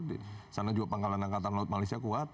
di sana juga pangkalan angkatan laut malaysia kuat